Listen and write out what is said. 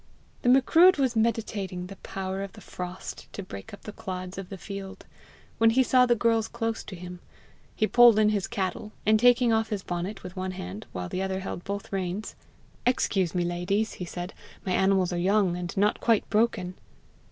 The Macruadh was meditating the power of the frost to break up the clods of the field, when he saw the girls close to him. He pulled in his cattle, and taking off his bonnet with one hand while the other held both reins "Excuse me, ladies," he said; "my animals are young, and not quite broken."